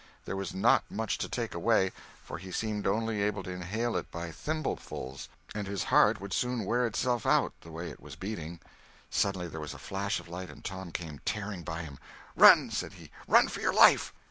There was not much to take away, for he seemed only able to inhale it by thimblefuls, and his heart would soon wear itself out, the way it was beating. Suddenly there was a flash of light and Tom came tearing by him: "Run!" said he; "run, for your life!"